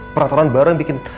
peraturan baru yang bikin